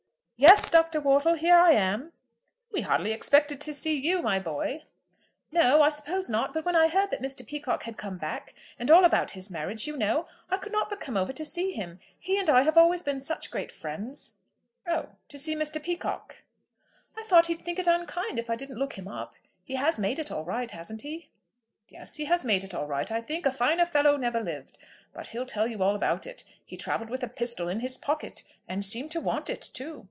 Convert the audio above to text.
"Yes, Dr. Wortle, here I am." "We hardly expected to see you, my boy." "No, I suppose not. But when I heard that Mr. Peacocke had come back, and all about his marriage, you know, I could not but come over to see him. He and I have always been such great friends." "Oh, to see Mr. Peacocke?" "I thought he'd think it unkind if I didn't look him up. He has made it all right; hasn't he?" "Yes; he has made it all right, I think. A finer fellow never lived. But he'll tell you all about it. He travelled with a pistol in his pocket, and seemed to want it too.